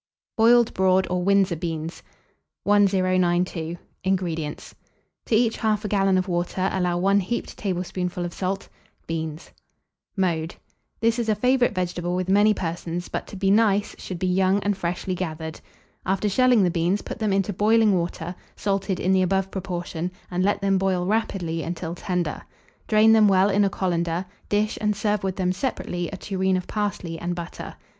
BOILED BROAD OR WINDSOR BEANS. 1092. INGREDIENTS. To each 1/2 gallon of water, allow 1 heaped tablespoonful of salt; beans. [Illustration: BROAD BEAN.] Mode. This is a favourite vegetable with many persons, but to be nice, should be young and freshly gathered. After shelling the beans, put them into boiling water, salted in the above proportion, and let them boil rapidly until tender. Drain them well in a colander; dish, and serve with them separately a tureen of parsley and butter.